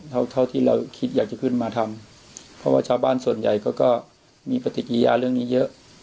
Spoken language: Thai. เท่าเท่าที่เราคิดอยากจะขึ้นมาทำเพราะว่าชาวบ้านส่วนใหญ่เขาก็มีปฏิกิยาเรื่องนี้เยอะ